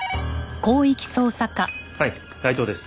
はい内藤です。